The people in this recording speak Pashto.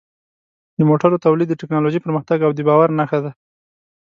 د موټرو تولید د ټکنالوژۍ پرمختګ او د باور نښه ده.